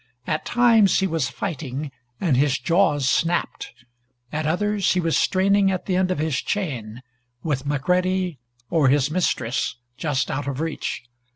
At times he was fighting, and his jaws snapped. At others he was straining at the end of his chain, with McCready or his mistress just out of reach.